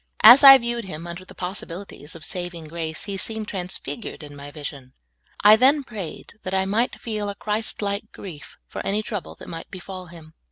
As I viewed him under the possibilities of vSaving grace, he seemed transfigured in my vision. I then prayed that I might feel a Christ like grief for an}' trouble that might befall him.